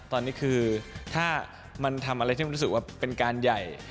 ตอนนี้คือถ้ามันทำอะไรที่มันรู้สึกว่าเป็นการใหญ่